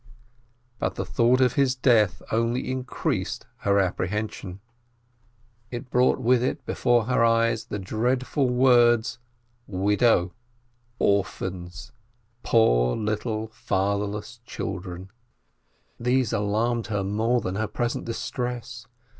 But the thought of his death only increased her appre hension. SABBATH 187 It brought with it before her eyes the dreadf ud words : widow, orphans, poor little fatherless children. .. These alarmed her more than her present distress.